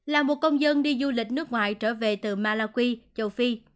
là một công dân đi du lịch nước ngoài trở về từ malaqui châu phi